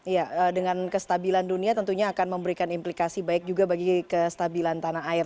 ya dengan kestabilan dunia tentunya akan memberikan implikasi baik juga bagi kestabilan tanah air